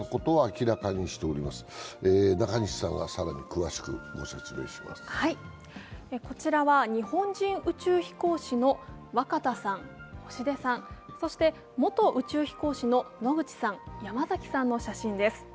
こちらは日本人宇宙飛行士の若狭さん、星出さん、そして元宇宙飛行士の野口さん、山崎さんの写真です。